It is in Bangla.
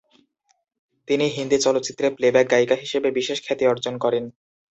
তিনি হিন্দি চলচ্চিত্রে প্লেব্যাক গায়িকা হিসেবে বিশেষ খ্যাতি অর্জন করেন।